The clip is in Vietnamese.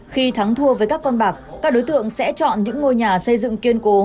khi thắng thua với các con bạc các đối tượng sẽ chọn những ngôi nhà xây dựng kiên cố